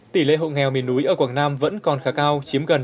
tỷ lệ hộ nghèo miền núi ở quảng nam vẫn còn khá cao chiếm gần năm mươi